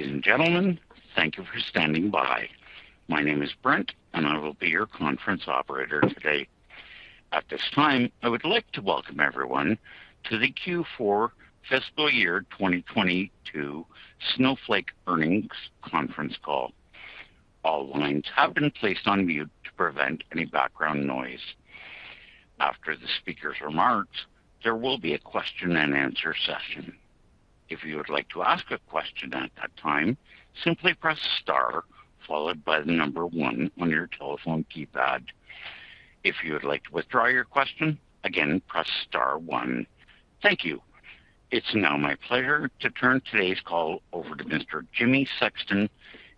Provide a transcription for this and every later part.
Ladies and gentlemen, thank you for standing by. My name is Brent, and I will be your conference operator today. At this time, I would like to welcome everyone to the Q4 fiscal year 2022 Snowflake earnings conference call. All lines have been placed on mute to prevent any background noise. After the speaker's remarks, there will be a question-and-answer session. If you would like to ask a question at that time, simply press star followed by the number one on your telephone keypad. If you would like to withdraw your question, again, press star one. Thank you. It's now my pleasure to turn today's call over to Mr. Jimmy Sexton,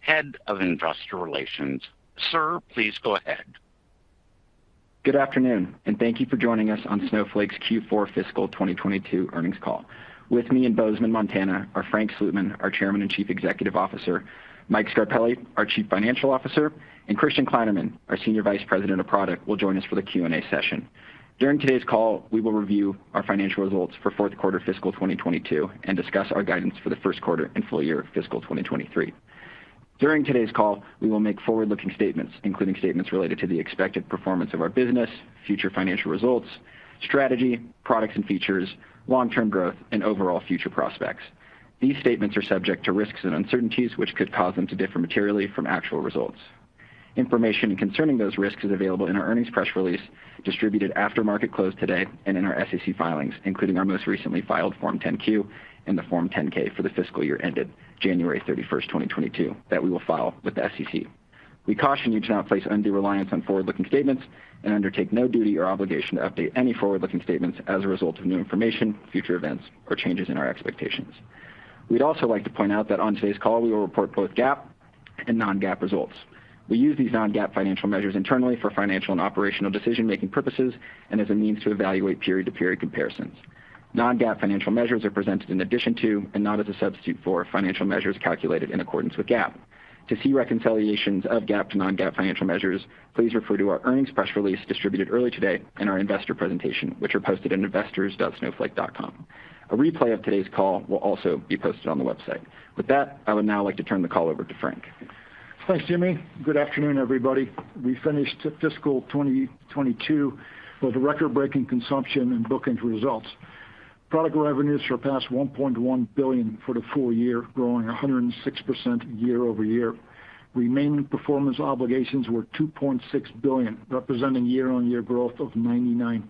Head of Investor Relations. Sir, please go ahead. Good afternoon, and thank you for joining us on Snowflake's Q4 fiscal 2022 earnings call. With me in Bozeman, Montana, are Frank Slootman, our Chairman and Chief Executive Officer, Mike Scarpelli, our Chief Financial Officer, and Christian Kleinerman, our Senior Vice President of Product, will join us for the Q&A session. During today's call, we will review our financial results for fourth quarter fiscal 2022 and discuss our guidance for the first quarter and full year fiscal 2023. During today's call, we will make forward-looking statements, including statements related to the expected performance of our business, future financial results, strategy, products and features, long-term growth, and overall future prospects. These statements are subject to risks and uncertainties which could cause them to differ materially from actual results. Information concerning those risks is available in our earnings press release distributed after market close today and in our SEC filings, including our most recently filed Form 10-Q and the Form 10-K for the fiscal year ended January 31, 2022, that we will file with the SEC. We caution you to not place undue reliance on forward-looking statements and undertake no duty or obligation to update any forward-looking statements as a result of new information, future events, or changes in our expectations. We'd also like to point out that on today's call, we will report both GAAP and non-GAAP results. We use these non-GAAP financial measures internally for financial and operational decision-making purposes and as a means to evaluate period-to-period comparisons. Non-GAAP financial measures are presented in addition to, and not as a substitute for, financial measures calculated in accordance with GAAP. To see reconciliations of GAAP to non-GAAP financial measures, please refer to our earnings press release distributed early today in our investor presentation, which are posted at investors.snowflake.com. A replay of today's call will also be posted on the website. With that, I would now like to turn the call over to Frank. Thanks, Jimmy. Good afternoon, everybody. We finished fiscal 2022 with record-breaking consumption and bookings results. Product revenues surpassed $1.1 billion for the full year, growing 106% year-over-year. Remaining performance obligations were $2.6 billion, representing year-over-year growth of 99%.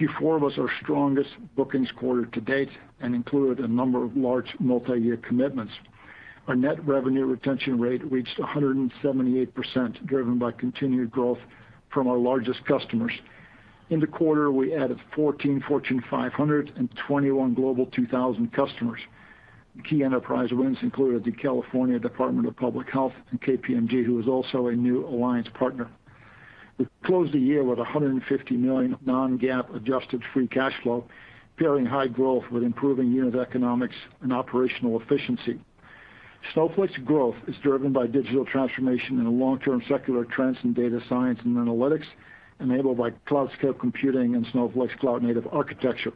Q4 was our strongest bookings quarter to date and included a number of large multi-year commitments. Our net revenue retention rate reached 178%, driven by continued growth from our largest customers. In the quarter, we added 14 Fortune 500 and 21 Global 2000 customers. Key enterprise wins included the California Department of Public Health and KPMG, who is also a new alliance partner. We closed the year with $150 million non-GAAP adjusted free cash flow, pairing high growth with improving unit economics and operational efficiency. Snowflake's growth is driven by digital transformation in the long-term secular trends in data science and analytics enabled by cloud scale computing and Snowflake's cloud-native architecture.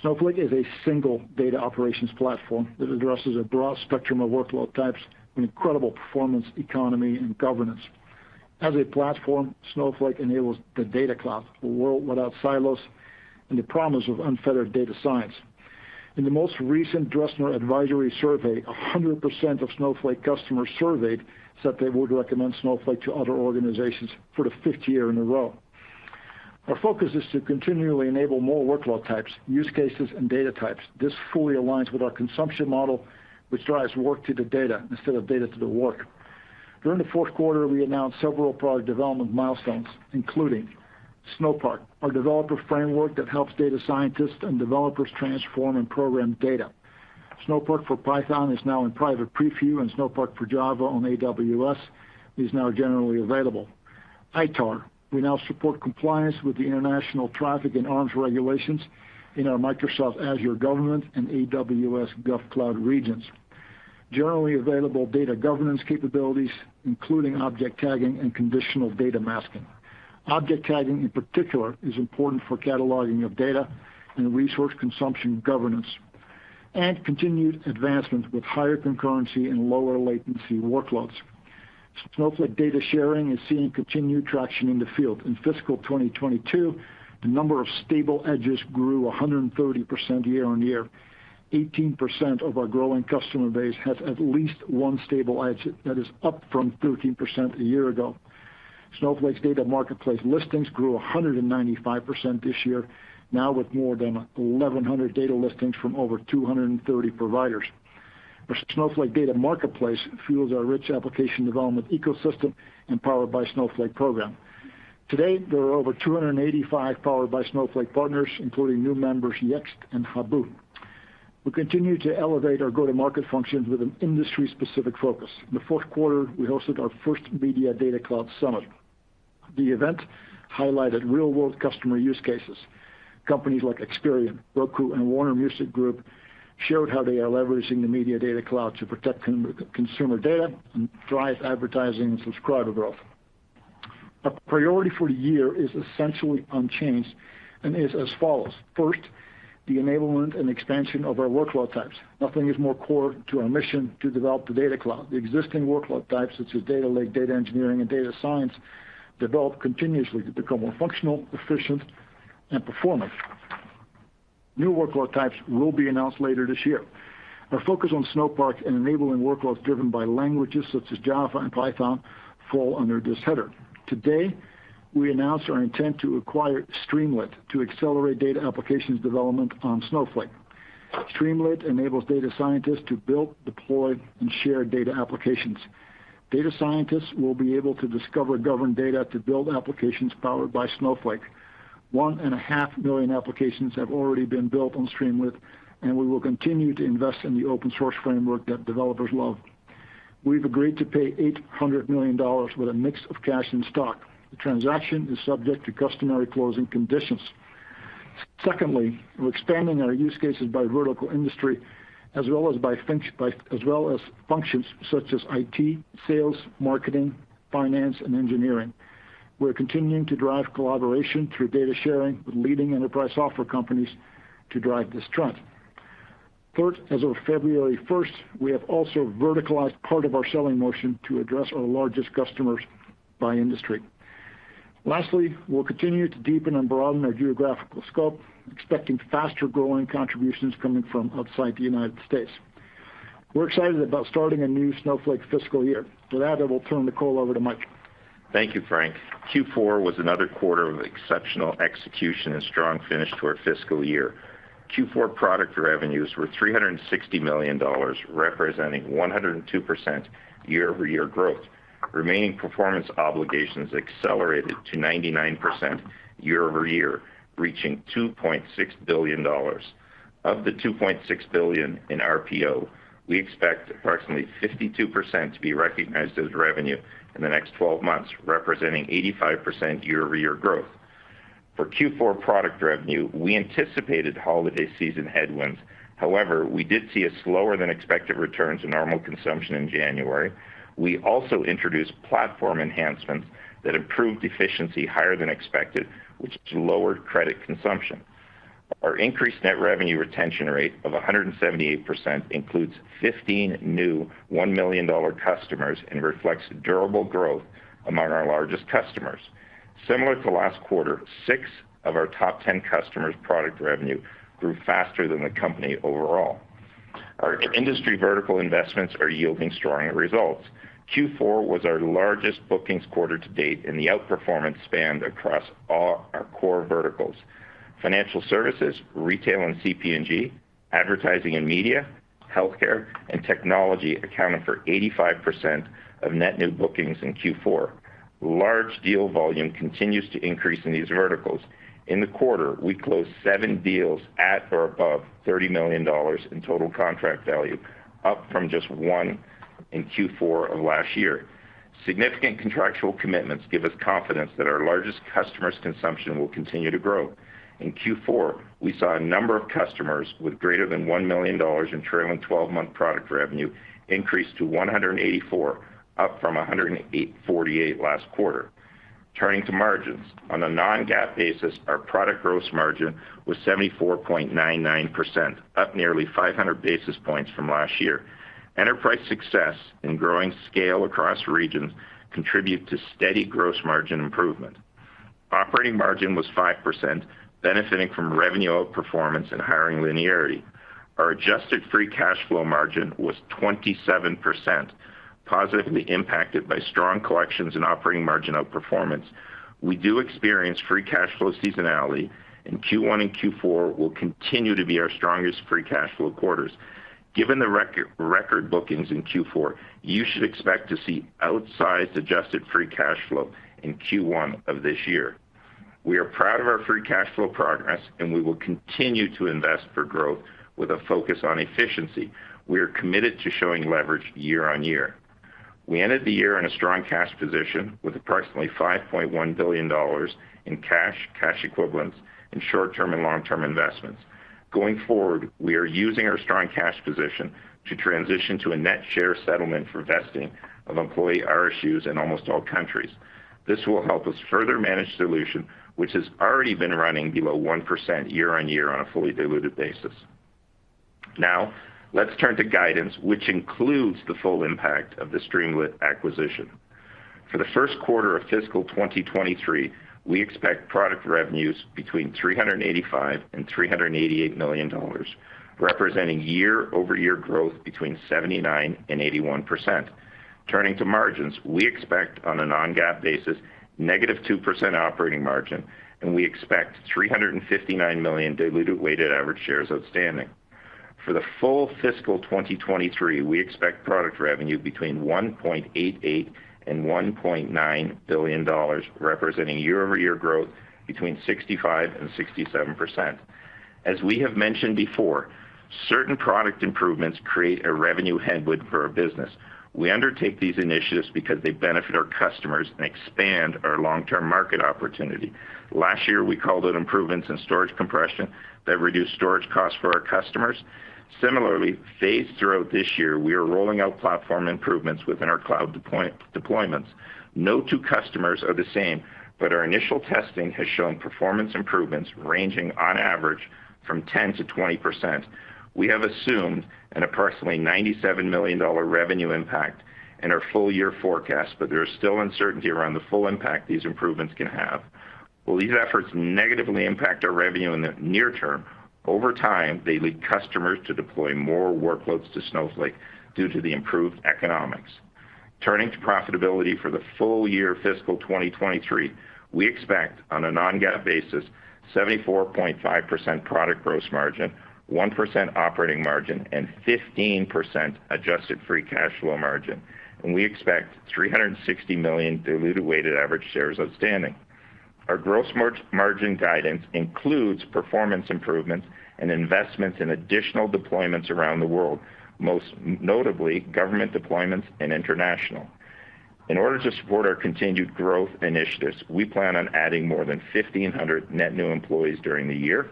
Snowflake is a single data operations platform that addresses a broad spectrum of workload types with incredible performance economy and governance. As a platform, Snowflake enables the Data Cloud, a world without silos, and the promise of unfettered data science. In the most recent Dresner Advisory Survey, 100% of Snowflake customers surveyed said they would recommend Snowflake to other organizations for the fifth year in a row. Our focus is to continually enable more workload types, use cases, and data types. This fully aligns with our consumption model, which drives work to the data instead of data to the work. During the fourth quarter, we announced several product development milestones, including Snowpark, our developer framework that helps data scientists and developers transform and program data. Snowpark for Python is now in private preview, and Snowpark for Java on AWS is now generally available. ITAR. We now support compliance with the International Traffic in Arms Regulations in our Microsoft Azure Government and AWS GovCloud regions. Generally available data governance capabilities, including Object Tagging and Conditional Data Masking. Object Tagging, in particular, is important for cataloging of data and resource consumption governance. Continued advancements with higher concurrency and lower latency workloads. Snowflake data sharing is seeing continued traction in the field. In fiscal 2022, the number of stable edges grew 130% year-over-year. 18% of our growing customer base has at least one stable edge. That is up from 13% a year ago. Snowflake's Marketplace listings grew 195% this year, now with more than 1,100 data listings from over 230 providers. Our Snowflake Marketplace fuels our rich application development ecosystem and Powered by Snowflake program. Today, there are over 285 Powered by Snowflake partners, including new members Yext and Habu. We continue to elevate our go-to-market functions with an industry-specific focus. In the fourth quarter, we hosted our first Media Data Cloud Summit. The event highlighted real-world customer use cases. Companies like Experian, Roku, and Warner Music Group showed how they are leveraging the Media Data Cloud to protect consumer data and drive advertising and subscriber growth. Our priority for the year is essentially unchanged and is as follows. First, the enablement and expansion of our workload types. Nothing is more core to our mission to develop the Data Cloud. The existing workload types, such as data lake, data engineering, and data science, develop continuously to become more functional, efficient, and performant. New workload types will be announced later this year. Our focus on Snowpark and enabling workloads driven by languages such as Java and Python fall under this header. Today, we announce our intent to acquire Streamlit to accelerate data applications development on Snowflake. Streamlit enables data scientists to build, deploy, and share data applications. Data scientists will be able to discover governed data to build applications powered by Snowflake. 1.5 million applications have already been built on Streamlit, and we will continue to invest in the open-source framework that developers love. We've agreed to pay $800 million with a mix of cash and stock. The transaction is subject to customary closing conditions. Secondly, we're expanding our use cases by vertical industry as well as by functions such as IT, sales, marketing, finance, and engineering. We're continuing to drive collaboration through data sharing with leading enterprise software companies to drive this trust. Third, as of February first, we have also verticalized part of our selling motion to address our largest customers by industry. Lastly, we'll continue to deepen and broaden our geographical scope, expecting faster-growing contributions coming from outside the United States. We're excited about starting a new Snowflake fiscal year. With that, I will turn the call over to Mike. Thank you, Frank. Q4 was another quarter of exceptional execution and strong finish to our fiscal year. Q4 product revenues were $360 million, representing 102% year-over-year growth. Remaining performance obligations accelerated to 99% year-over-year, reaching $2.6 billion. Of the $2.6 billion in RPO, we expect approximately 52% to be recognized as revenue in the next twelve months, representing 85% year-over-year growth. For Q4 product revenue, we anticipated holiday season headwinds. However, we did see a slower-than-expected return to normal consumption in January. We also introduced platform enhancements that improved efficiency higher than expected, which lowered credit consumption. Our increased net revenue retention rate of 178% includes 15 new $1 million customers and reflects durable growth among our largest customers. Similar to last quarter, six of our top 10 customers' product revenue grew faster than the company overall. Our industry vertical investments are yielding strong results. Q4 was our largest bookings quarter to date, and the outperformance spanned across all our core verticals. Financial services, retail and CPG, advertising and media, healthcare, and technology accounted for 85% of net new bookings in Q4. Large deal volume continues to increase in these verticals. In the quarter, we closed seven deals at or above $30 million in total contract value, up from just one in Q4 of last year. Significant contractual commitments give us confidence that our largest customers' consumption will continue to grow. In Q4, we saw a number of customers with greater than $1 million in trailing twelve-month product revenue increase to 184, up from 148 last quarter. Turning to margins. On a non-GAAP basis, our product gross margin was 74.99%, up nearly 500 basis points from last year. Enterprise success and growing scale across regions contribute to steady gross margin improvement. Operating margin was 5%, benefiting from revenue outperformance and hiring linearity. Our adjusted free cash flow margin was 27%, positively impacted by strong collections and operating margin outperformance. We do experience free cash flow seasonality, and Q1 and Q4 will continue to be our strongest free cash flow quarters. Given the record bookings in Q4, you should expect to see outsized adjusted free cash flow in Q1 of this year. We are proud of our free cash flow progress, and we will continue to invest for growth with a focus on efficiency. We are committed to showing leverage year-on-year. We ended the year in a strong cash position with approximately $5.1 billion in cash equivalents, and short-term and long-term investments. Going forward, we are using our strong cash position to transition to a net share settlement for vesting of employee RSUs in almost all countries. This will help us further manage dilution, which has already been running below 1% year-on-year on a fully diluted basis. Now, let's turn to guidance, which includes the full impact of the Streamlit acquisition. For the first quarter of fiscal 2023, we expect product revenues between $385 million and $388 million, representing year-over-year growth between 79% and 81%. Turning to margins, we expect on a non-GAAP basis -2% operating margin, and we expect 359 million diluted weighted average shares outstanding. For the full fiscal 2023, we expect product revenue between $1.88 billion and $1.9 billion, representing year-over-year growth between 65%-67%. As we have mentioned before. Certain product improvements create a revenue headwind for our business. We undertake these initiatives because they benefit our customers, and expand our long-term market opportunity. Last year, we called out improvements in storage compression that reduced storage costs for our customers. Similarly, phased throughout this year, we are rolling out platform improvements within our cloud deployments. No two customers are the same, but our initial testing has shown performance improvements ranging on average from 10%-20%. We have assumed an approximately $97 million revenue impact in our full year forecast, but there is still uncertainty around the full impact these improvements can have. While these efforts negatively impact our revenue in the near term, over time, they lead customers to deploy more workloads to Snowflake due to the improved economics. Turning to profitability for the full year fiscal 2023, we expect on a non-GAAP basis 74.5% product gross margin, 1% operating margin, and 15% adjusted free cash flow margin. We expect 360 million diluted weighted average shares outstanding. Our gross margin guidance includes performance improvements and investments in additional deployments around the world, most notably government deployments and international. In order to support our continued growth initiatives, we plan on adding more than 1,500 net new employees during the year.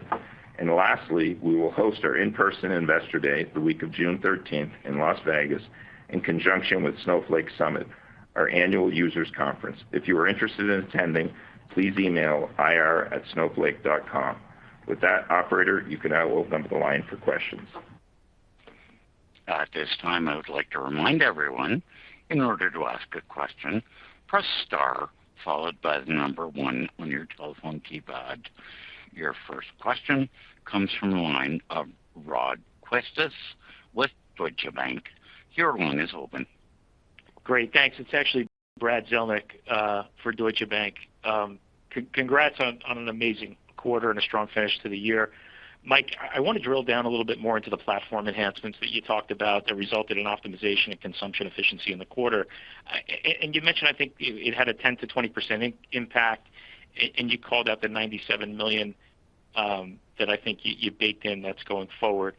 Lastly, we will host our in-person Investor Day, the week of June 13th in Las Vegas, in conjunction with Snowflake Summit, our annual users conference. If you are interested in attending, please email ir@snowflake.com. With that, operator, you can now open up the line for questions. At this time, I would like to remind everyone, in order to ask a question, press star followed by the number one on your telephone keypad. Your first question comes from the line of Brad Zelnick with Deutsche Bank. Your line is open. Great, thanks. It's actually Brad Zelnick for Deutsche Bank. Congrats on an amazing quarter and a strong finish to the year. Mike, I wanna drill down a little bit more into the platform enhancements that you talked about that resulted in optimization and consumption efficiency in the quarter. And you mentioned, I think it had a 10%-20% impact, and you called out the $97 million that I think you baked in that's going forward.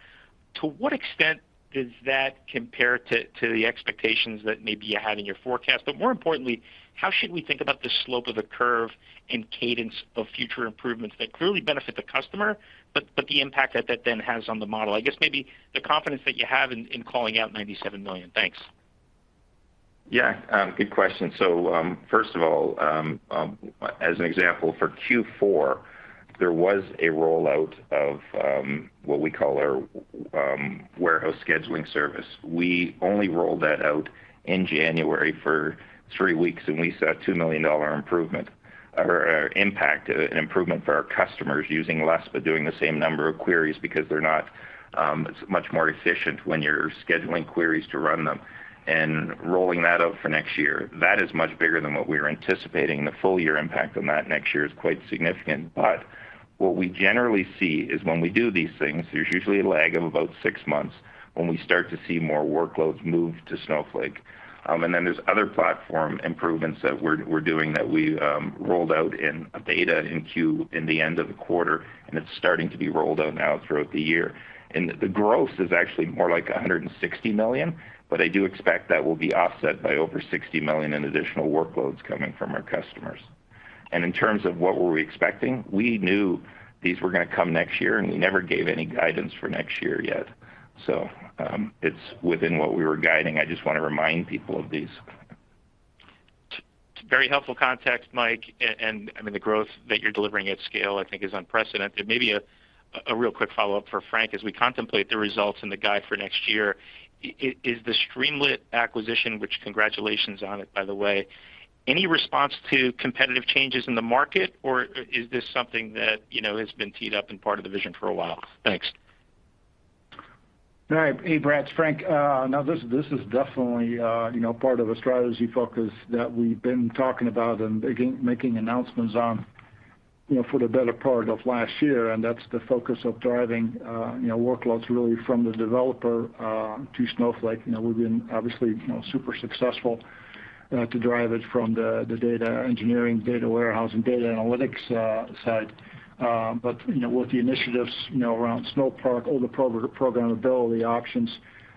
To what extent does that compare to the expectations that maybe you had in your forecast? More importantly, how should we think about the slope of the curve and cadence of future improvements that clearly benefit the customer, but the impact that that then has on the model? I guess maybe the confidence that you have in calling out $97 million. Thanks. Yeah, good question. First of all, as an example for Q4, there was a rollout of what we call our warehouse scheduling service. We only rolled that out in January for three weeks, and we saw a $2 million improvement or impact, an improvement for our customers using less, but doing the same number of queries because they're not, it's much more efficient when you're scheduling queries to run them. Rolling that out for next year, that is much bigger than what we were anticipating. The full year impact on that next year is quite significant. What we generally see is when we do these things, there's usually a lag of about six months when we start to see more workloads move to Snowflake. There's other platform improvements that we're doing that we rolled out in a beta in Q in the end of the quarter, and it's starting to be rolled out now throughout the year. The gross is actually more like $160 million, but I do expect that will be offset by over $60 million in additional workloads coming from our customers. In terms of what were we expecting, we knew these were gonna come next year, and we never gave any guidance for next year yet. It's within what we were guiding. I just wanna remind people of these. It's very helpful context, Mike. I mean, the growth that you're delivering at scale I think is unprecedented. Maybe a real quick follow-up for Frank as we contemplate the results and the guide for next year. Is the Streamlit acquisition, which congratulations on it by the way, any response to competitive changes in the market, or is this something that, you know, has been teed up and part of the vision for a while? Thanks. All right. Hey, Brad, it's Frank. No, this is definitely, you know, part of a strategy focus that we've been talking about and making announcements on, you know, for the better part of last year, and that's the focus of driving, you know, workloads really from the developer to Snowflake. You know, we've been obviously, you know, super successful to drive it from the data engineering, data warehousing, data analytics side. But, you know, with the initiatives, you know, around Snowpark, all the programmability options,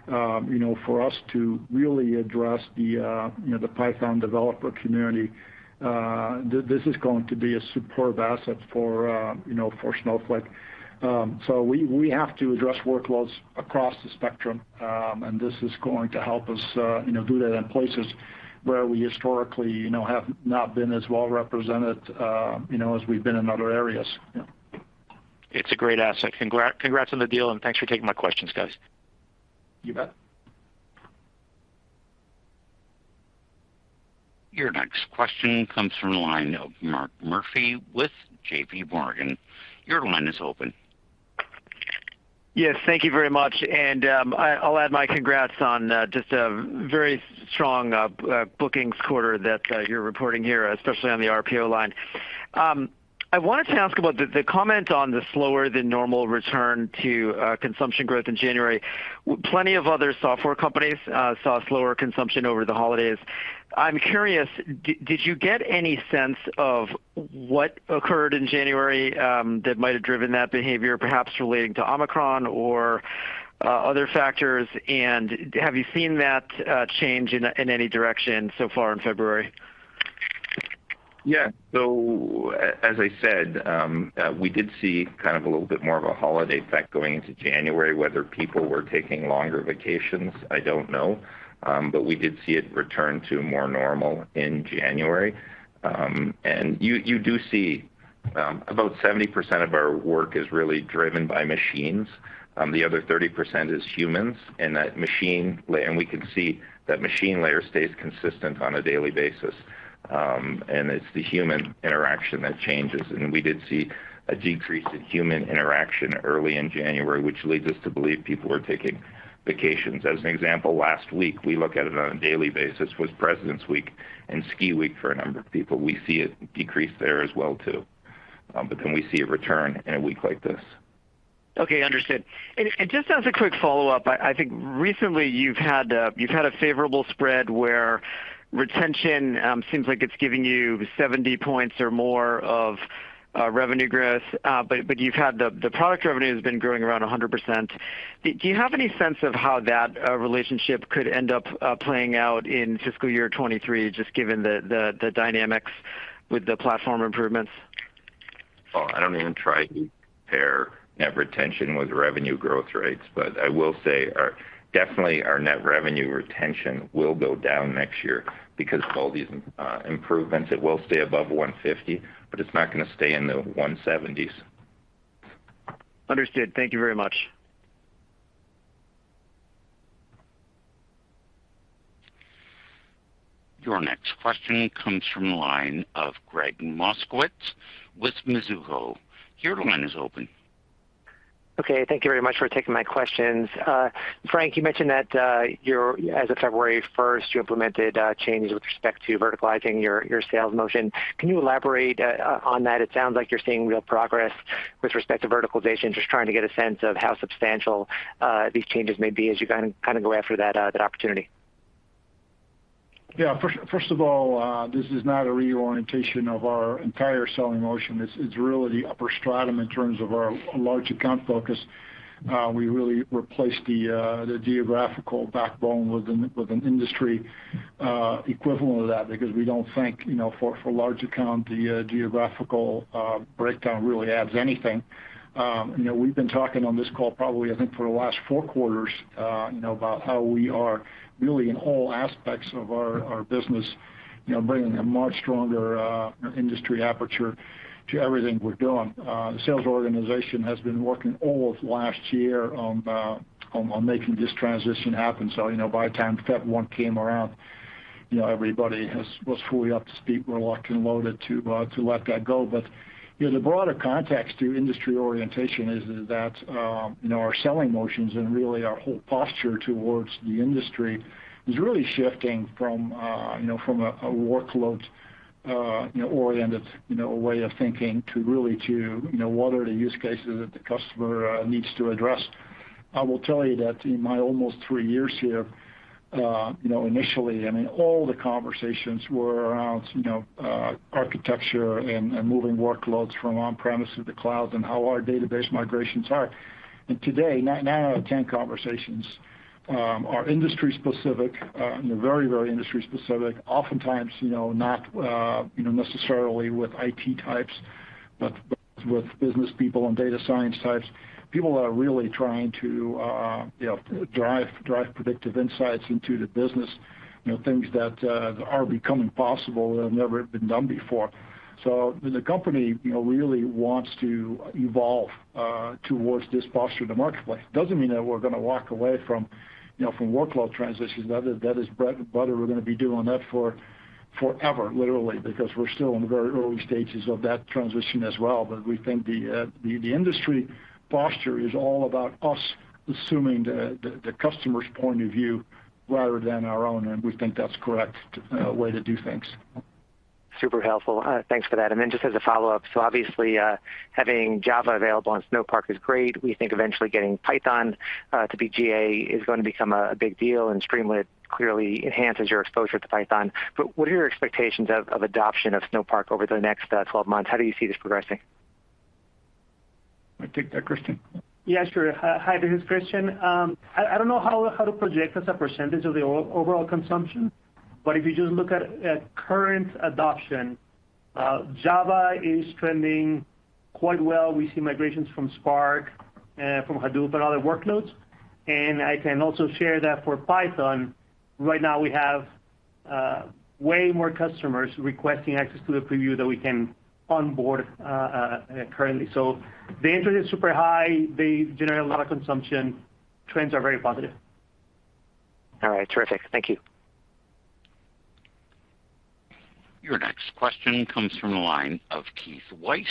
you know, for us to really address the, you know, the Python developer community, this is going to be a superb asset for, you know, for Snowflake. We have to address workloads across the spectrum, and this is going to help us, you know, do that in places where we historically, you know, have not been as well represented, you know, as we've been in other areas. Yeah. It's a great asset. Congrats on the deal, and thanks for taking my questions, guys. You bet. Your next question comes from the line of Mark Murphy with JPMorgan. Your line is open. Yes, thank you very much. I'll add my congrats on just a very strong bookings quarter that you're reporting here, especially on the RPO line. I wanted to ask about the comment on the slower than normal return to consumption growth in January. Plenty of other software companies saw slower consumption over the holidays. I'm curious, did you get any sense of what occurred in January that might have driven that behavior, perhaps relating to Omicron or other factors? Have you seen that change in any direction so far in February? Yeah. As I said, we did see kind of a little bit more of a holiday effect going into January, whether people were taking longer vacations, I don't know. We did see it return to more normal in January. You do see about 70% of our work is really driven by machines, the other 30% is humans. We can see that machine layer stays consistent on a daily basis, and it's the human interaction that changes. We did see a decrease in human interaction early in January, which leads us to believe people were taking vacations. As an example, last week we look at it on a daily basis was Presidents' Week and ski week for a number of people. We see it decrease there as well too, but then we see a return in a week like this. Okay, understood. Just as a quick follow-up, I think recently you've had a favorable spread where retention seems like it's giving you 70 points or more of revenue growth. But you've had the product revenue has been growing around 100%. Do you have any sense of how that relationship could end up playing out in fiscal year 2023, just given the dynamics with the platform improvements? Oh, I don't even try to compare net retention with revenue growth rates. I will say definitely our net revenue retention will go down next year because of all these improvements. It will stay above 150, but it's not gonna stay in the 170s. Understood. Thank you very much. Your next question comes from the line of Gregg Moskowitz with Mizuho. Your line is open. Okay. Thank you very much for taking my questions. Frank, you mentioned that as of February 1st, you implemented changes with respect to verticalizing your sales motion. Can you elaborate on that? It sounds like you're seeing real progress with respect to verticalization. Just trying to get a sense of how substantial these changes may be as you kind of go after that opportunity. Yeah. First of all, this is not a reorientation of our entire selling motion. It's really the upper stratum in terms of our large account focus. We really replaced the geographical backbone with an industry equivalent of that because we don't think, you know, for large account, the geographical breakdown really adds anything. You know, we've been talking on this call probably, I think, for the last four quarters, you know, about how we are really in all aspects of our business, you know, bringing a much stronger industry aperture to everything we're doing. The sales organization has been working all of last year on making this transition happen. You know, by the time February 1 came around, you know, everybody was fully up to speed. We're locked and loaded to let that go. You know, the broader context to industry orientation is that you know, our selling motions and really our whole posture towards the industry is really shifting from you know, from a workload you know, oriented you know, way of thinking to really you know, what are the use cases that the customer needs to address. I will tell you that in my almost three years here you know, initially, I mean, all the conversations were around you know, architecture and moving workloads from on-premise to the cloud and how our database migrations are. Today, nine out of ten conversations are industry specific you know, very, very industry specific. Oftentimes, you know, not necessarily with IT types, but with business people and data science types. People are really trying to, you know, drive predictive insights into the business, you know, things that are becoming possible that have never been done before. The company, you know, really wants to evolve towards this posture in the marketplace. Doesn't mean that we're gonna walk away from workload transitions. That is bread and butter. We're gonna be doing that for forever, literally, because we're still in the very early stages of that transition as well. We think the industry posture is all about us assuming the customer's point of view rather than our own, and we think that's correct way to do things. Super helpful. Thanks for that. Just as a follow-up, so obviously, having Java available on Snowpark is great. We think eventually getting Python to be GA is gonna become a big deal, and Streamlit clearly enhances your exposure to Python. What are your expectations of adoption of Snowpark over the next 12 months? How do you see this progressing? I take that, Christian. Yeah, sure. Hi, this is Christian. I don't know how to project as a percentage of the overall consumption, but if you just look at current adoption, Java is trending quite well. We see migrations from Spark, from Hadoop and other workloads. I can also share that for Python, right now we have way more customers requesting access to the preview than we can onboard currently. The interest is super high. They generate a lot of consumption. Trends are very positive. All right. Terrific. Thank you. Your next question comes from the line of Keith Weiss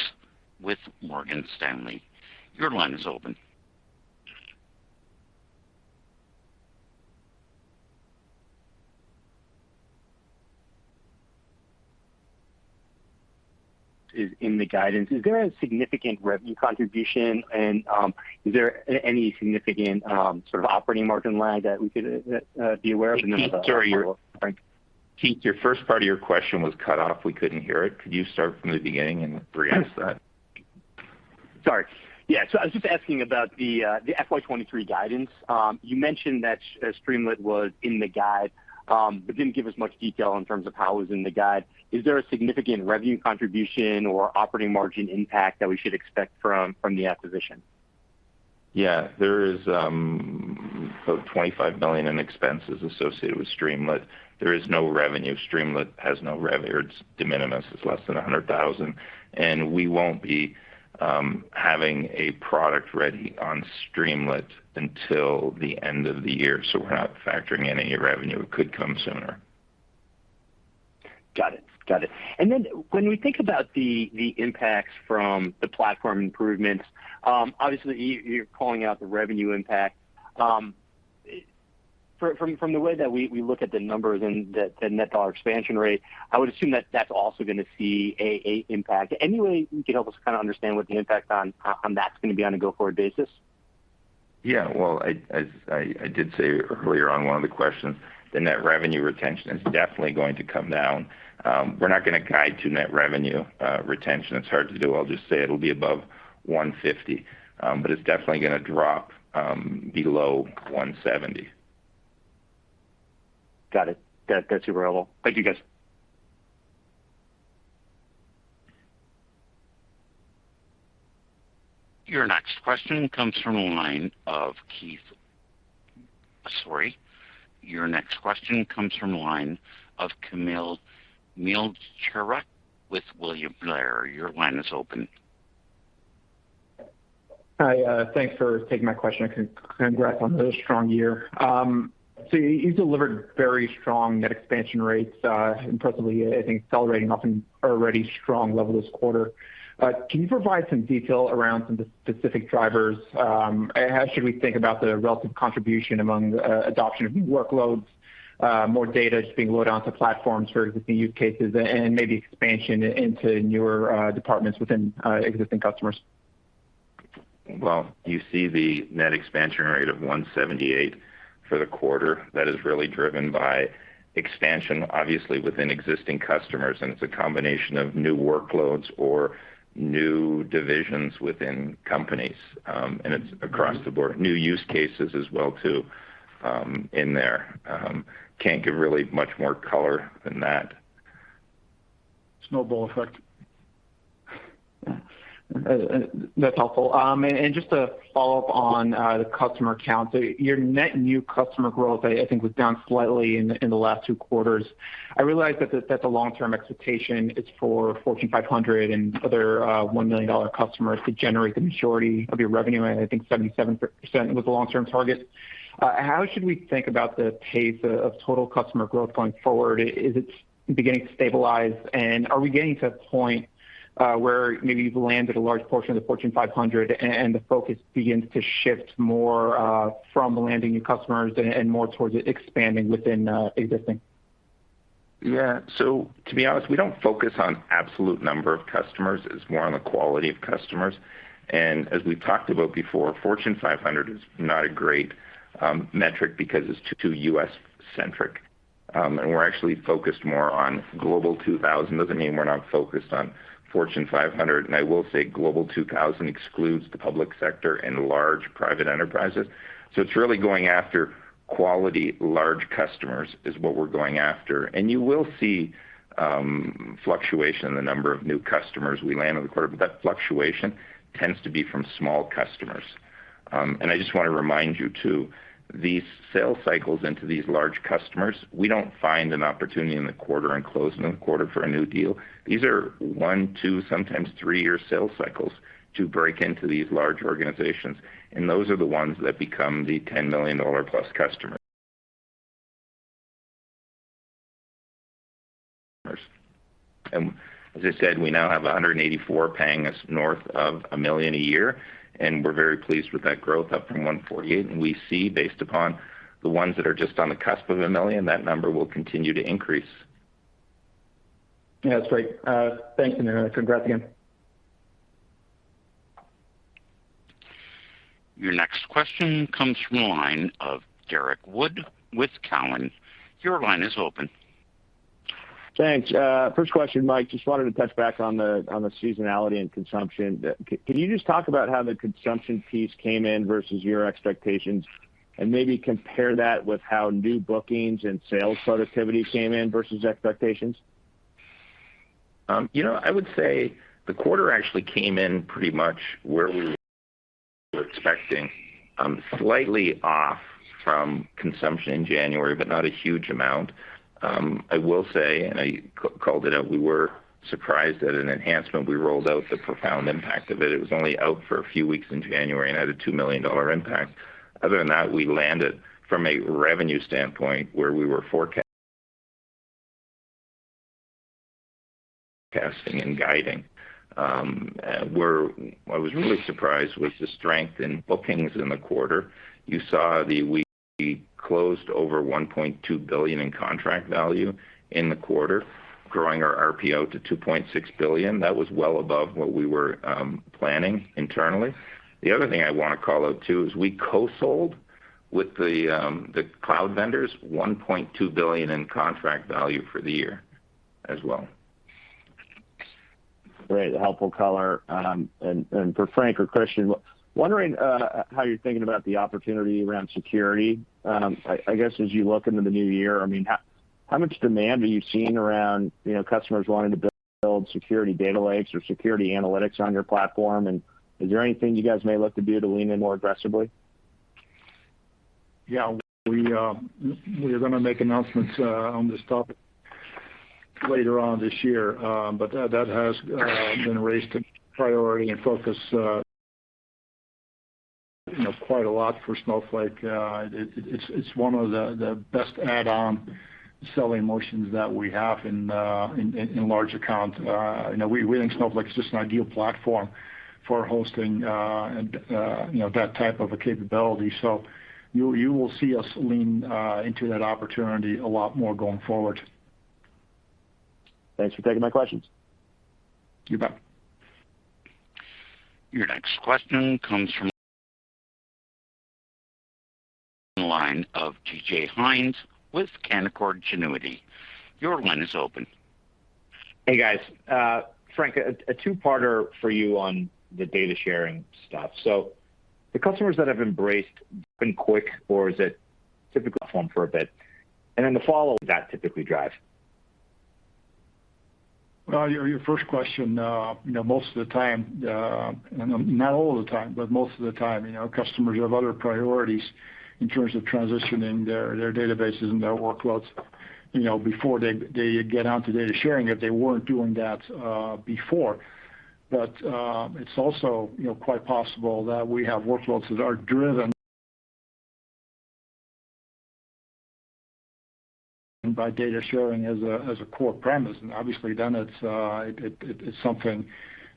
with Morgan Stanley. Your line is open. Is in the guidance. Is there a significant revenue contribution and, is there any significant sort of operating margin lag that we could be aware of in the- Keith, sorry. Frank. Keith, your first part of your question was cut off. We couldn't hear it. Could you start from the beginning and re-ask that? I was just asking about the FY 2023 guidance. You mentioned that Streamlit was in the guide, but didn't give us much detail in terms of how it was in the guide. Is there a significant revenue contribution or operating margin impact that we should expect from the acquisition? Yeah. There is about $25 million in expenses associated with Streamlit. There is no revenue. Streamlit has no rev or it's de minimis, it's less than $100,000. We won't be having a product ready on Streamlit until the end of the year, so we're not factoring in any revenue. It could come sooner. Got it. When we think about the impacts from the platform improvements, obviously you're calling out the revenue impact. From the way that we look at the numbers and the net dollar expansion rate, I would assume that that's also gonna be a impact. Any way you could help us kinda understand what the impact on that's gonna be on a go-forward basis? Yeah. Well, I did say earlier on one of the questions, the net revenue retention is definitely going to come down. We're not gonna guide to net revenue retention. It's hard to do. I'll just say it'll be above 150%. It's definitely gonna drop below 170%. Got it. That's super helpful. Thank you, guys. Your next question comes from the line of Kamil Mielczarek with William Blair. Your line is open. Hi, thanks for taking my question, and congrats on another strong year. You've delivered very strong net expansion rates, impressively, I think accelerating off an already strong level this quarter. Can you provide some detail around some of the specific drivers? How should we think about the relative contribution among adoption of new workloads, more data just being loaded onto platforms for existing use cases and maybe expansion into newer departments within existing customers? Well, you see the net expansion rate of 178% for the quarter. That is really driven by expansion, obviously, within existing customers, and it's a combination of new workloads or new divisions within companies. It's across the board. New use cases as well too in there. Can't give really much more color than that. Snowball effect. That's helpful. Just to follow up on the customer count. Your net new customer growth, I think, was down slightly in the last two quarters. I realize that's a long-term expectation. It's for Fortune 500 and other $1 million customers to generate the majority of your revenue. I think 77% was the long-term target. How should we think about the pace of total customer growth going forward? Is it beginning to stabilize? Are we getting to a point where maybe you've landed a large portion of the Fortune 500 and the focus begins to shift more from landing new customers and more towards expanding within existing? Yeah. To be honest, we don't focus on absolute number of customers. It's more on the quality of customers. As we've talked about before, Fortune 500 is not a great metric because it's too U.S.-centric. We're actually focused more on Global 2000. Doesn't mean we're not focused on Fortune 500. I will say Global 2000 excludes the public sector and large private enterprises. It's really going after quality large customers is what we're going after. You will see fluctuation in the number of new customers we land in the quarter, but that fluctuation tends to be from small customers. I just wanna remind you too, these sales cycles into these large customers, we don't find an opportunity in the quarter and close in a quarter for a new deal. These are one, two, sometimes three-year sales cycles to break into these large organizations, and those are the ones that become the $10 million+ customers. As I said, we now have 184 paying us north of $1 million a year, and we're very pleased with that growth up from 148. We see based upon the ones that are just on the cusp of $1 million, that number will continue to increase. Yeah, that's great. Thanks again, and congrats again. Your next question comes from the line of Derrick Wood with Cowen. Your line is open. Thanks. First question, Mike, just wanted to touch back on the seasonality and consumption. Can you just talk about how the consumption piece came in versus your expectations, and maybe compare that with how new bookings and sales productivity came in versus expectations? You know, I would say the quarter actually came in pretty much where we were expecting, slightly off from consumption in January, but not a huge amount. I will say, and I called it out, we were surprised at an enhancement we rolled out, the profound impact of it. It was only out for a few weeks in January and had a $2 million impact. Other than that, we landed from a revenue standpoint where we were forecasting and guiding. What really surprised was the strength in bookings in the quarter. You saw we closed over $1.2 billion in contract value in the quarter, growing our RPO to $2.6 billion. That was well above what we were planning internally. The other thing I want to call out too is we co-sold with the cloud vendors $1.2 billion in contract value for the year as well. Great, helpful color. For Frank or Christian, I'm wondering how you're thinking about the opportunity around security. I guess as you look into the new year, I mean, how much demand are you seeing around, you know, customers wanting to build security data lakes or security analytics on your platform? Is there anything you guys may look to do to lean in more aggressively? Yeah. We are going to make announcements on this topic later on this year. That has been raised a priority and focus, you know, quite a lot for Snowflake. It's one of the best add-on selling motions that we have in large account. You know, we think Snowflake is just an ideal platform for hosting and you know that type of a capability. You will see us lean into that opportunity a lot more going forward. Thanks for taking my questions. You bet. Your next question comes from the line of DJ Hynes with Canaccord Genuity. Your line is open. Hey, guys. Frank, a two-parter for you on the data sharing stuff. The customers that have embraced it have been quick, or is it typically the platform for a bit? The follow-up with that typically drive. Well, your first question, you know, most of the time, and not all the time, but most of the time, you know, customers have other priorities in terms of transitioning their databases and their workloads, you know, before they get onto data sharing, if they weren't doing that before. But it's also, you know, quite possible that we have workloads that are driven by data sharing as a core premise. And obviously then it's something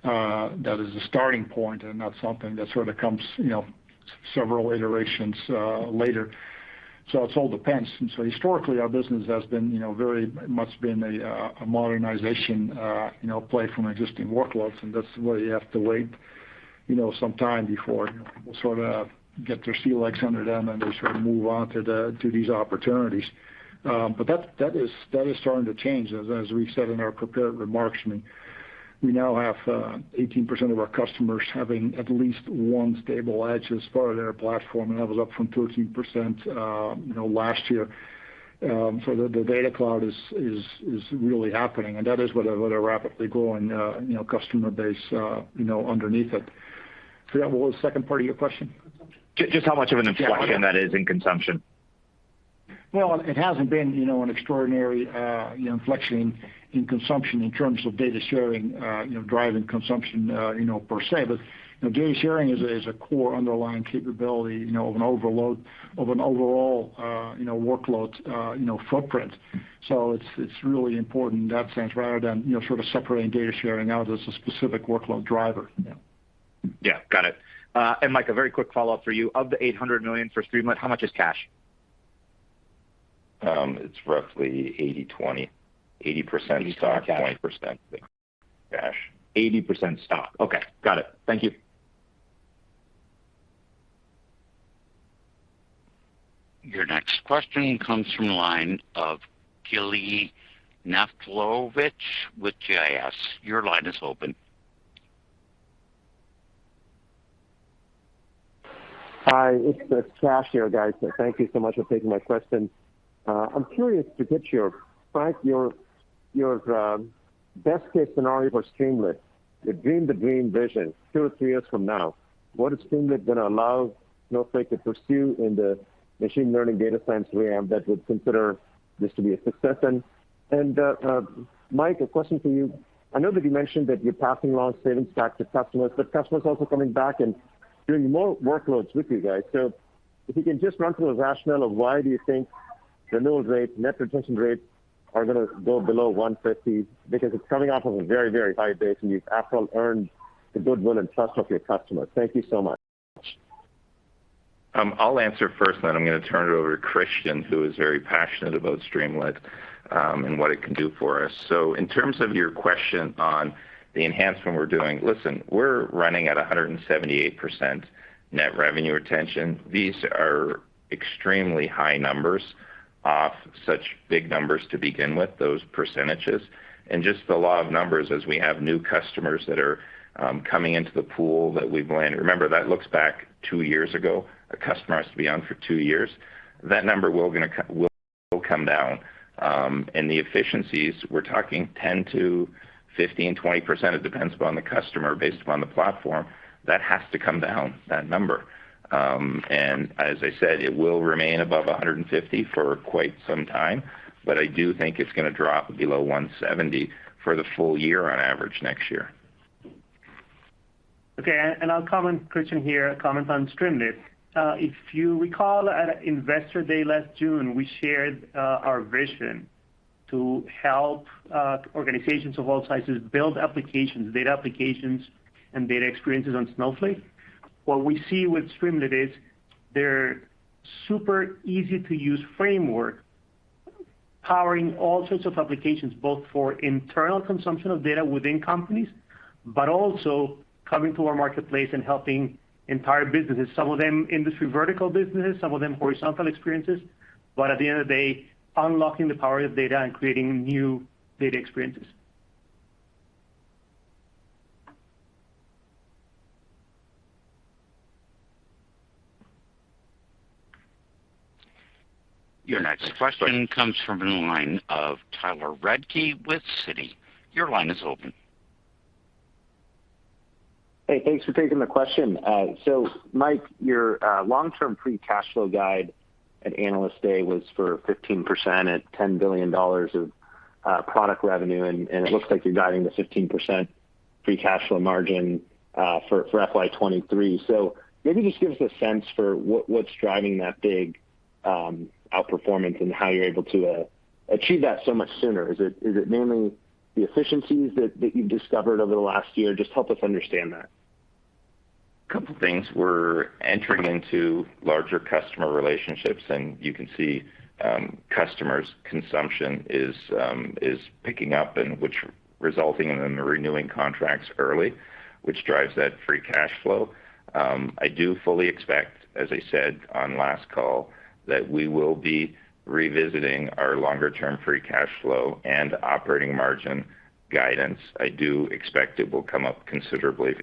that is a starting point and not something that sort of comes, you know, several iterations later. So it all depends. Historically, our business has been, you know, very much a modernization, you know, play from existing workloads. That's where you have to wait, you know, some time before, you know, people sort of get their sea legs under them, and they sort of move on to these opportunities. But that is starting to change. As we said in our prepared remarks, I mean, we now have 18% of our customers having at least one stable edge as part of their platform, and that was up from 13%, you know, last year. The Data Cloud is really happening, and that is with a rapidly growing, you know, customer base, you know, underneath it. Yeah, what was the second part of your question? Just how much of an inflection that is in consumption? Well, it hasn't been, you know, an extraordinary, you know, inflection in consumption in terms of data sharing, you know, driving consumption, you know, per se. You know, data sharing is a core underlying capability, you know, of an overall, you know, workload, you know, footprint. It's really important in that sense rather than, you know, sort of separating data sharing out as a specific workload driver. Yeah. Yeah. Got it. Mike, a very quick follow-up for you. Of the $800 million for Streamlit, how much is cash? It's roughly 80-20. 80% stock, 20% cash. 80% stock. Okay. Got it. Thank you. Your next question comes from the line of Gregg Naklohvic with GS. Your line is open. Hi, it's Kash here, guys. Thank you so much for taking my question. I'm curious to get your Frank, your best case scenario for Streamlit, the dream vision two or three years from now. What is Streamlit going to allow Snowflake to pursue in the machine learning data science realm that would consider this to be a success? Mike, a question for you. I know that you mentioned that you're passing along savings back to customers, but customers also coming back and doing more workloads with you guys. If you can just run through the rationale of why do you think renewal rates, net retention rates are gonna go below 150, because it's coming off of a very, very high base, and you've absolutely earned the goodwill and trust of your customers. Thank you so much. I'll answer first, then I'm gonna turn it over to Christian, who is very passionate about Streamlit, and what it can do for us. In terms of your question on the enhancement we're doing, listen, we're running at 178% net revenue retention. These are extremely high numbers off such big numbers to begin with, those percentages. Just the law of numbers, as we have new customers that are coming into the pool that we blend. Remember, that looks back two years ago. A customer has to be on for two years. That number will come down. The efficiencies, we're talking 10%-15%, 20%. It depends upon the customer based upon the platform. That has to come down, that number. As I said, it will remain above 150% for quite some time, but I do think it's gonna drop below 170% for the full year on average next year. Okay. Christian Kleinerman here to comment on Streamlit. If you recall at Investor Day last June, we shared our vision To help organizations of all sizes build applications, data applications, and data experiences on Snowflake. What we see with Streamlit is they're super easy to use framework powering all sorts of applications, both for internal consumption of data within companies, but also coming to our marketplace and helping entire businesses. Some of them industry vertical businesses, some of them horizontal experiences. At the end of the day, unlocking the power of data and creating new data experiences. Your next question comes from the line of Tyler Radke with Citi. Your line is open. Hey, thanks for taking the question. Mike, your long-term free cash flow guide at Analyst Day was for 15% at $10 billion of product revenue. It looks like you're guiding the 15% free cash flow margin for FY 2023. Maybe just give us a sense for what's driving that big outperformance and how you're able to achieve that so much sooner. Is it mainly the efficiencies that you've discovered over the last year? Just help us understand that. Couple things. We're entering into larger customer relationships, and you can see, customers' consumption is picking up and which resulting in them renewing contracts early, which drives that free cash flow. I do fully expect, as I said on last call, that we will be revisiting our longer-term free cash flow and operating margin guidance. I do expect it will come up considerably. I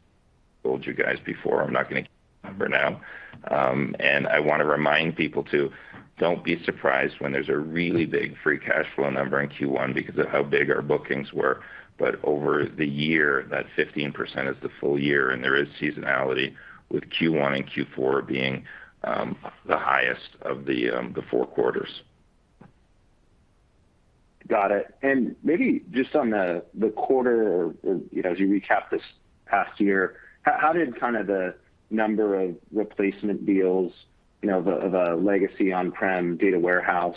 told you guys before, I'm not going to give a number now. I want to remind people too, don't be surprised when there's a really big free cash flow number in Q1 because of how big our bookings were. Over the year, that 15% is the full year, and there is seasonality with Q1 and Q4 being the highest of the four quarters. Got it. Maybe just on the quarter or you know as you recap this past year how did kind of the number of replacement deals you know the legacy on-prem data warehouse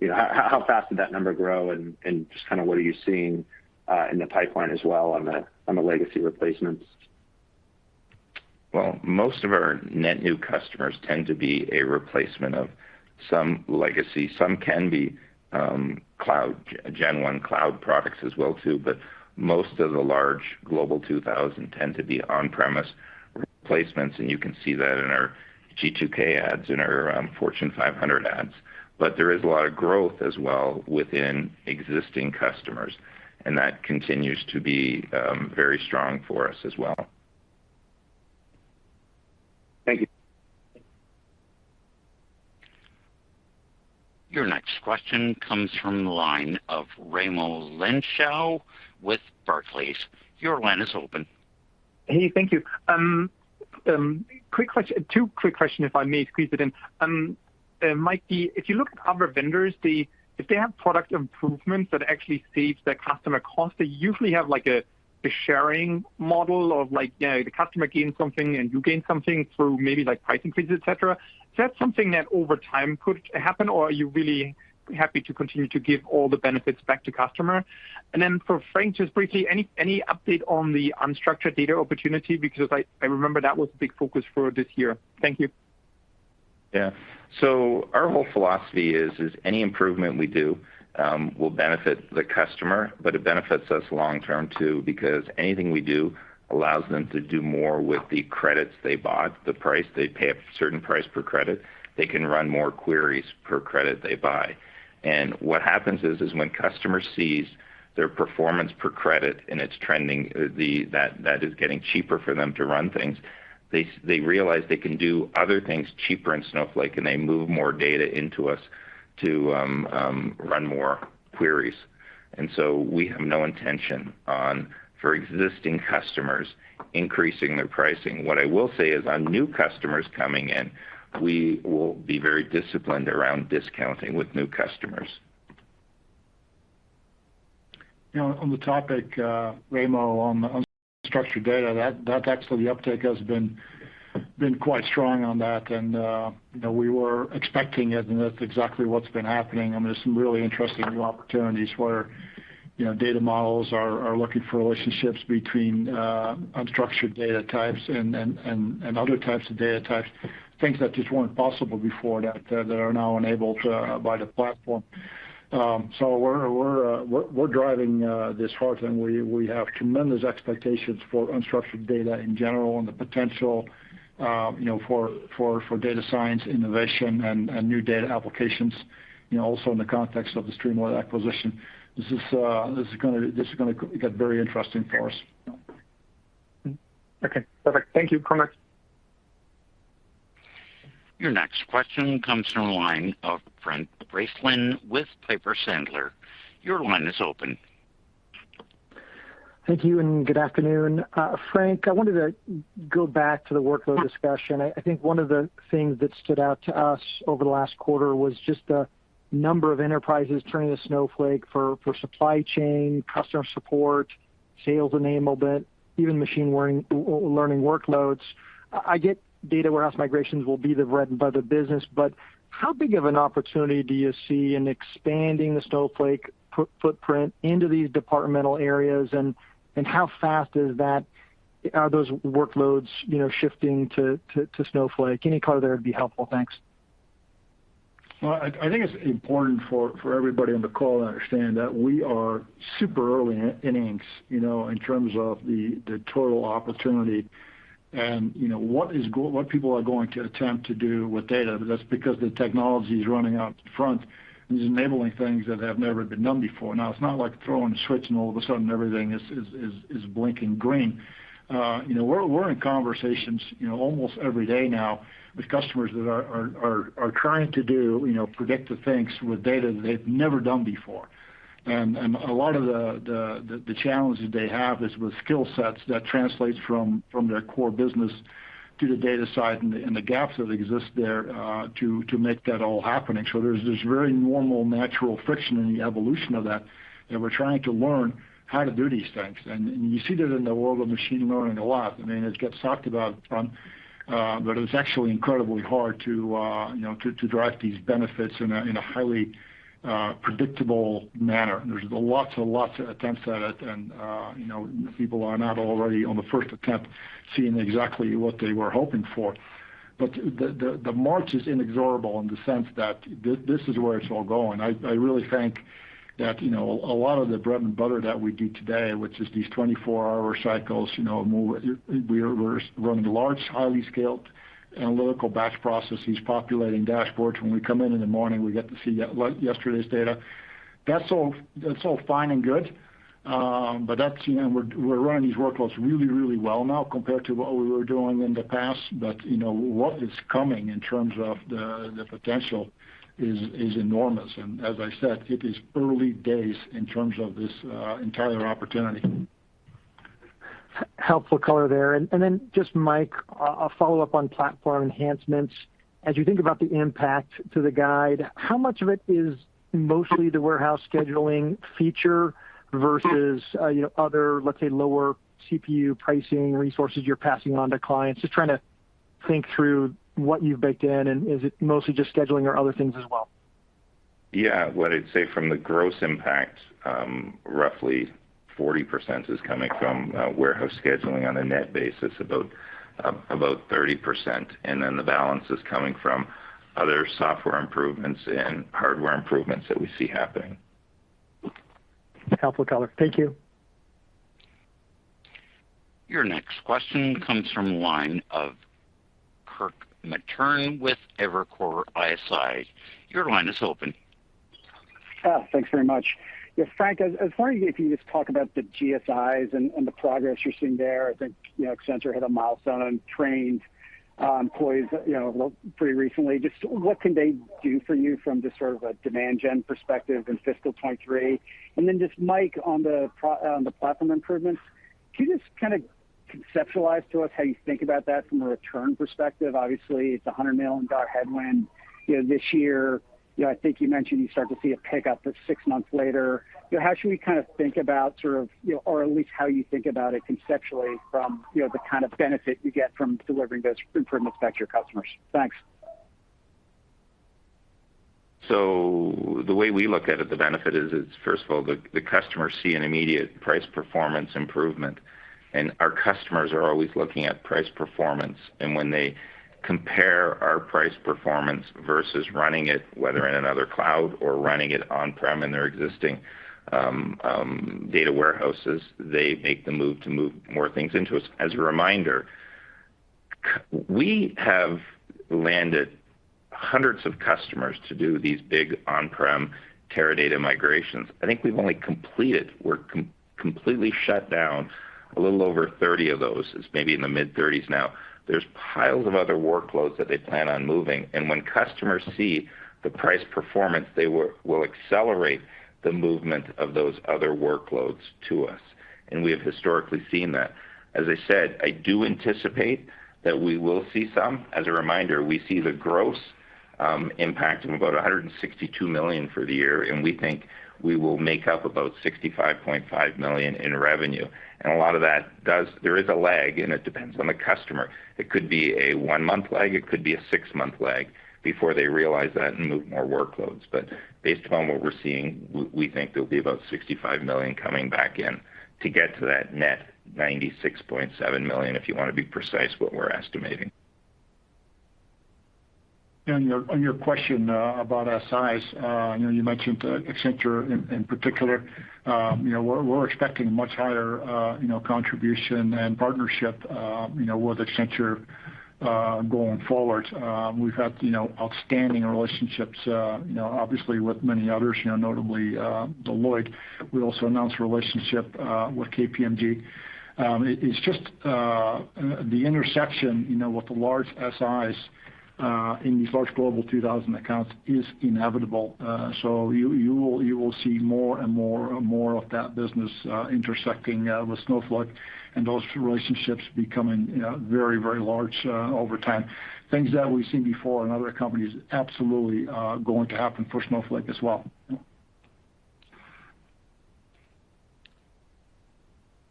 you know how fast did that number grow? Just kind of what are you seeing in the pipeline as well on the legacy replacements? Well, most of our net new customers tend to be a replacement of some legacy. Some can be cloud gen one cloud products as well too, but most of the large Global 2000 tend to be on-premise replacements, and you can see that in our G2K adds, in our Fortune 500 adds. There is a lot of growth as well within existing customers, and that continues to be very strong for us as well. Thank you. Your next question comes from the line of Raimo Lenschow with Barclays. Your line is open. Hey, thank you. Quick question. Two quick question, if I may squeeze it in. Mike, if you look at other vendors, if they have product improvements that actually saves their customer cost, they usually have like a sharing model of like, you know, the customer gains something and you gain something through maybe like price increases, et cetera. Is that something that over time could happen, or are you really happy to continue to give all the benefits back to customer? For Frank, just briefly, any update on the unstructured data opportunity? Because I remember that was a big focus for this year. Thank you. Yeah. Our whole philosophy is any improvement we do will benefit the customer, but it benefits us long term too, because anything we do allows them to do more with the credits they bought. They pay a certain price per credit. They can run more queries per credit they buy. What happens is when customer sees their performance per credit, and it's trending, that is getting cheaper for them to run things, they realize they can do other things cheaper in Snowflake, and they move more data into us to run more queries. We have no intention on, for existing customers, increasing their pricing. What I will say is on new customers coming in, we will be very disciplined around discounting with new customers. You know, on the topic, Raimo, on the unstructured data, that actually the uptake has been quite strong on that. You know, we were expecting it, and that's exactly what's been happening. I mean, there's some really interesting new opportunities where, you know, data models are looking for relationships between unstructured data types and other types of data types. Things that just weren't possible before that are now enabled by the platform. So we're driving this hard, and we have tremendous expectations for unstructured data in general and the potential, you know, for data science, innovation, and new data applications. You know, also in the context of the Streamlit acquisition. This is gonna get very interesting for us. Okay, perfect. Thank you. Over. Your next question comes from the line of Brent Bracelin with Piper Sandler. Your line is open. Thank you, and good afternoon. Frank, I wanted to go back to the workload discussion. I think one of the things that stood out to us over the last quarter was just the number of enterprises turning to Snowflake for supply chain, customer support, sales enablement, even machine learning workloads. I get data warehouse migrations will be the bread and butter business, but how big of an opportunity do you see in expanding the Snowflake footprint into these departmental areas and how fast are those workloads, you know, shifting to Snowflake? Any color there would be helpful. Thanks. Well, I think it's important for everybody on the call to understand that we are super early in this, you know, in terms of the total opportunity. You know, what people are going to attempt to do with data, that's because the technology is running out front, and it's enabling things that have never been done before. Now it's not like throwing a switch, and all of a sudden everything is blinking green. You know, we're in conversations, you know, almost every day now with customers that are trying to do, you know, predictive things with data that they've never done before. A lot of the challenges they have is with skill sets that translates from their core business to the data side and the gaps that exist there to make that all happen. There's this very normal natural friction in the evolution of that that we're trying to learn how to do these things. You see that in the world of machine learning a lot. I mean, it gets talked about a ton, but it's actually incredibly hard to you know, to drive these benefits in a highly predictable manner. There's lots and lots of attempts at it. You know, people are not already on the first attempt seeing exactly what they were hoping for. The march is inexorable in the sense that this is where it's all going. I really think that, you know, a lot of the bread and butter that we do today, which is these 24-hour cycles, you know, we're running large, highly scaled analytical batch processes, populating dashboards. When we come in in the morning, we get to see yesterday's data. That's all fine and good. But that's, you know, we're running these workloads really well now compared to what we were doing in the past. What is coming in terms of the potential is enormous. As I said, it is early days in terms of this entire opportunity. Helpful color there. Just Mike, a follow-up on platform enhancements. As you think about the impact to the guide, how much of it is mostly the warehouse scheduling feature versus, you know, other, let's say, lower CPU pricing resources you're passing on to clients? Just trying to think through what you've baked in, and is it mostly just scheduling or other things as well? Yeah. What I'd say from the gross impact, roughly 40% is coming from warehouse scheduling on a net basis, about 30%. The balance is coming from other software improvements and hardware improvements that we see happening. Helpful color. Thank you. Your next question comes from the line of Kirk Materne with Evercore ISI. Your line is open. Oh, thanks very much. Yeah, Frank, I was wondering if you could just talk about the GSIs and the progress you're seeing there. I think, you know, Accenture hit a milestone, trained employees, you know, well, pretty recently. Just what can they do for you from just sort of a demand gen perspective in fiscal 2023? Then just Mike, on the platform improvements, can you just kinda conceptualize to us how you think about that from a return perspective? Obviously, it's a $100 million headwind, you know, this year. You know, I think you mentioned you start to see a pickup at six months later. You know, how should we kind of think about sort of, you know, or at least how you think about it conceptually from, you know, the kind of benefit you get from delivering those improvements back to your customers? Thanks. The way we look at it, the benefit is first of all, customers see an immediate price performance improvement. Our customers are always looking at price performance. When they compare our price performance versus running it, whether in another cloud or running it on-prem in their existing data warehouses, they make the move to move more things into us. As a reminder, we have landed hundreds of customers to do these big on-prem Teradata migrations. I think we've only completed or completely shut down a little over 30 of those. It's maybe in the mid-30s now. There's piles of other workloads that they plan on moving, and when customers see the price performance, they will accelerate the movement of those other workloads to us, and we have historically seen that. As I said, I do anticipate that we will see some. As a reminder, we see the gross impact of about $162 million for the year, and we think we will make up about $65.5 million in revenue. A lot of that. There is a lag, and it depends on the customer. It could be a one-month lag, it could be a six-month lag before they realize that and move more workloads. Based upon what we're seeing, we think there'll be about $65 million coming back in to get to that net $96.7 million, if you wanna be precise what we're estimating. On your question about SIs, you know, you mentioned Accenture in particular. You know, we're expecting much higher, you know, contribution and partnership, you know, with Accenture going forward. We've had, you know, outstanding relationships, you know, obviously with many others, you know, notably Deloitte. We also announced a relationship with KPMG. It is just the intersection, you know, with the large SIs in these large Global 2000 accounts is inevitable. You will see more and more of that business intersecting with Snowflake and those relationships becoming, you know, very large over time. Things that we've seen before in other companies absolutely going to happen for Snowflake as well.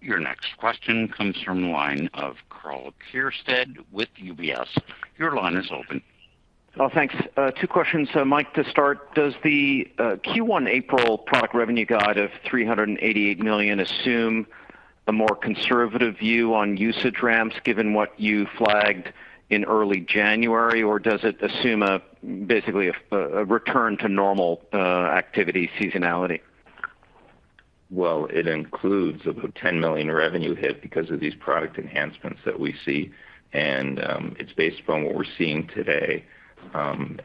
Your next question comes from the line of Karl Keirstead with UBS. Your line is open. Oh, thanks. Two questions, Mike, to start. Does the Q1 April product revenue guide of $388 million assume a more conservative view on usage ramps given what you flagged in early January? Or does it assume basically a return to normal activity seasonality? Well, it includes about $10 million revenue hit because of these product enhancements that we see. It's based upon what we're seeing today,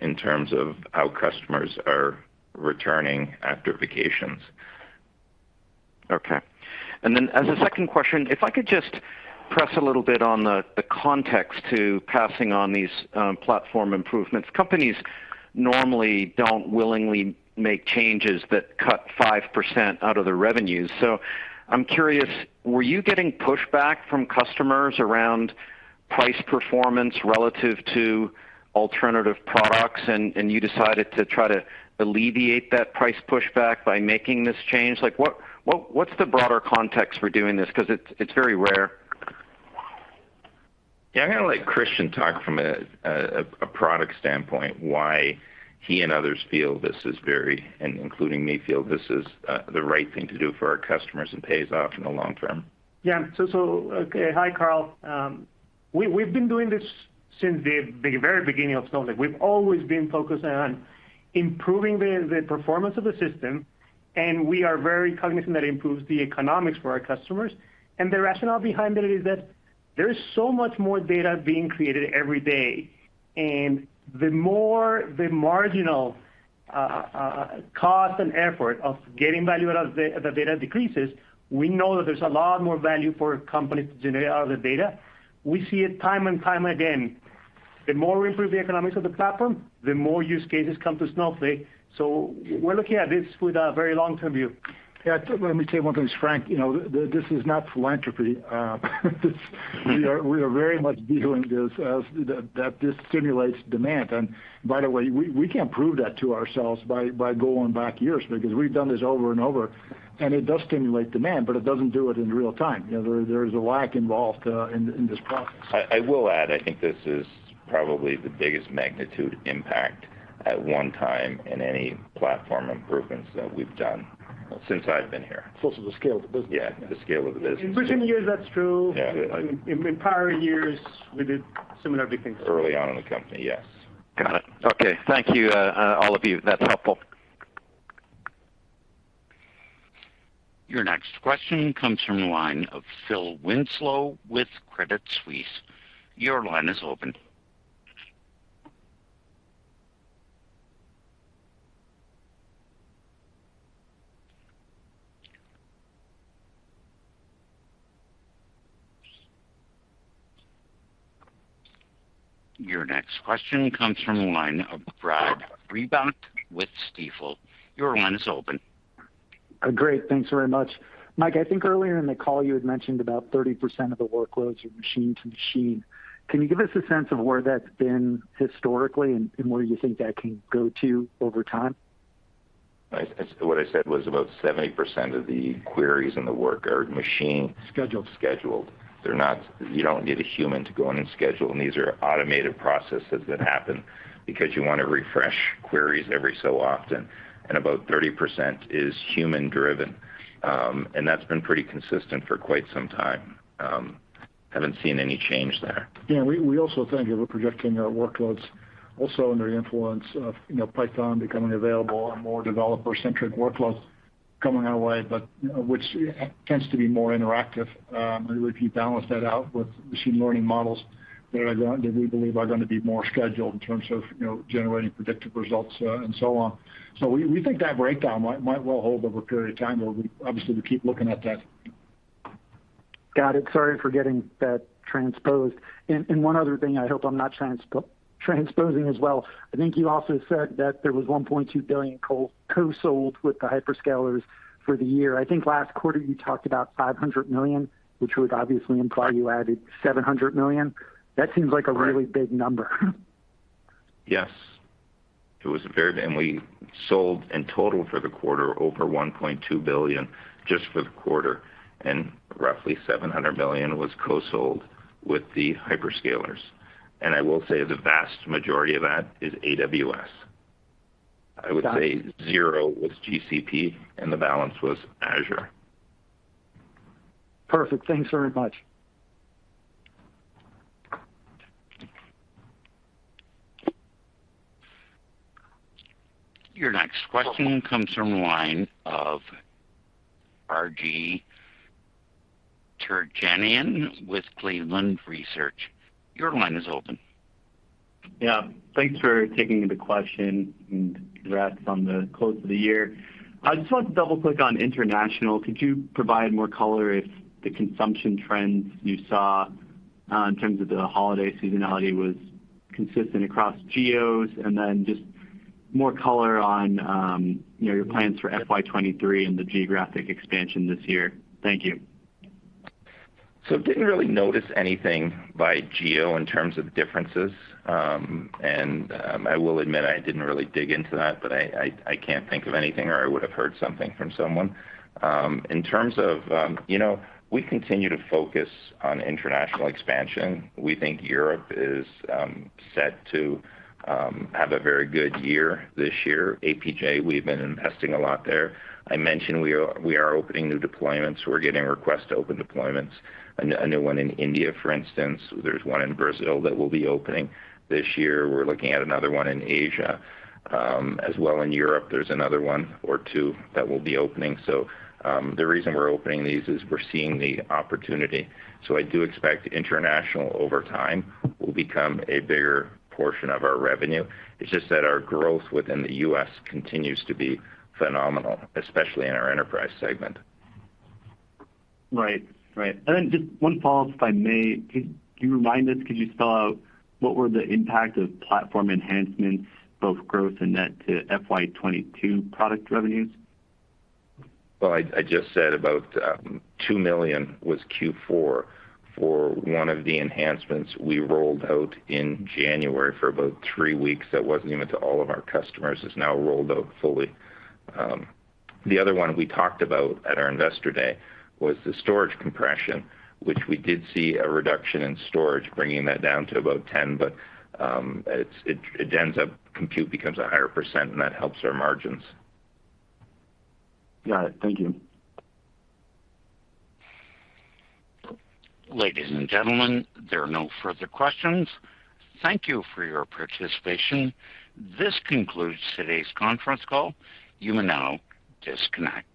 in terms of how customers are returning after vacations. Okay. As a second question, if I could just press a little bit on the context to passing on these platform improvements. Companies normally don't willingly make changes that cut 5% out of their revenues. I'm curious, were you getting pushback from customers around price performance relative to alternative products, and you decided to try to alleviate that price pushback by making this change? Like, what's the broader context for doing this? Because it's very rare. Yeah, I'm gonna let Christian talk from a product standpoint why he and others feel this is very, and including me, the right thing to do for our customers and pays off in the long term. Yeah. Okay, hi, Karl. We've been doing this since the very beginning of Snowflake. We've always been focused on improving the performance of the system, and we are very cognizant that it improves the economics for our customers. The rationale behind it is that there is so much more data being created every day. The more the marginal cost and effort of getting value out of the data decreases, we know that there's a lot more value for companies to generate out of the data. We see it time and time again. The more we improve the economics of the platform, the more use cases come to Snowflake. We're looking at this with a very long-term view. Yeah. Let me tell you one thing, Frank, you know, this is not philanthropy. We are very much viewing this as the that this stimulates demand. By the way, we can prove that to ourselves by going back years because we've done this over and over, and it does stimulate demand, but it doesn't do it in real time. You know, there is a lag involved in this process. I will add, I think this is probably the biggest magnitude impact at one time in any platform improvements that we've done since I've been here. Also the scale of the business. Yeah, the scale of the business. In recent years, that's true. Yeah. In prior years, we did similar big things. Early on in the company, yes. Got it. Okay. Thank you, all of you. That's helpful. Your next question comes from the line of Phil Winslow with Credit Suisse. Your line is open. Your next question comes from the line of Brad Reback with Stifel. Your line is open. Great. Thanks very much. Mike, I think earlier in the call you had mentioned about 30% of the workloads are machine to machine. Can you give us a sense of where that's been historically and where you think that can go to over time? What I said was about 70% of the queries in the work are machine- Scheduled Scheduled. You don't need a human to go in and schedule. These are automated processes that happen because you wanna refresh queries every so often. About 30% is human-driven. That's been pretty consistent for quite some time. Haven't seen any change there. Yeah, we also think we're projecting our workloads also under influence of, you know, Python becoming available and more developer-centric workloads coming our way, but, you know, which tends to be more interactive. If you balance that out with machine learning models that we believe are gonna be more scheduled in terms of, you know, generating predictive results, and so on. We think that breakdown might well hold over a period of time, but we obviously keep looking at that. Got it. Sorry for getting that transposed. One other thing I hope I'm not transposing as well. I think you also said that there was $1.2 billion co-sold with the hyperscalers for the year. I think last quarter you talked about $500 million, which would obviously imply you added $700 million. That seems like Right a really big number. Yes. It was a very. We sold in total for the quarter over $1.2 billion just for the quarter, and roughly $700 million was co-sold with the hyperscalers. I will say the vast majority of that is AWS. Got it. I would say zero was GCP, and the balance was Azure. Perfect. Thanks very much. Your next question comes from the line of Ari Terjanian with Cleveland Research. Your line is open. Yeah. Thanks for taking the question, and congrats on the close of the year. I just want to double-click on international. Could you provide more color if the consumption trends you saw in terms of the holiday seasonality was consistent across geos? Then just more color on, you know, your plans for FY 2023 and the geographic expansion this year. Thank you. Didn't really notice anything by geo in terms of differences. I will admit I didn't really dig into that, but I can't think of anything, or I would have heard something from someone. In terms of, you know, we continue to focus on international expansion. We think Europe is set to have a very good year this year. APJ, we've been investing a lot there. I mentioned we are opening new deployments. We're getting requests to open deployments. A new one in India, for instance. There's one in Brazil that we'll be opening this year. We're looking at another one in Asia. As well in Europe, there's another one or two that we'll be opening. The reason we're opening these is we're seeing the opportunity. I do expect international over time will become a bigger portion of our revenue. It's just that our growth within the U.S. continues to be phenomenal, especially in our enterprise segment. Right. Just one follow-up, if I may. Could you spell out what were the impact of platform enhancements, both gross and net, to FY 2022 product revenues? Well, I just said about $2 million was Q4 for one of the enhancements we rolled out in January for about three weeks, that wasn't even to all of our customers. It's now rolled out fully. The other one we talked about at our Investor Day was the storage compression, which we did see a reduction in storage, bringing that down to about 10%. It ends up compute becomes a higher percent, and that helps our margins. Got it. Thank you. Ladies and gentlemen, there are no further questions. Thank you for your participation. This concludes today's conference call. You may now disconnect.